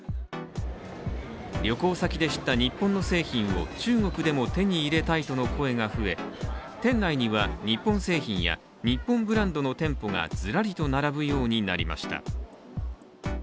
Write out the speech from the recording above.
旅行先で知った日本の製品を中国でも手に入れたいとの声が増え、店内には、日本製品や日本ブランドの店舗がずらりと並ぶようになりました。